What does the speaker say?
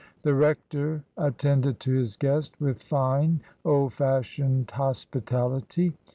The rector attended to his guest with fine old fashioned hospitality.